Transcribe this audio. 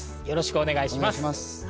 よろしくお願いします。